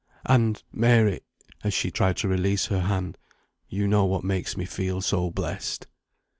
And, Mary (as she tried to release her hand), you know what makes me feel so blessed."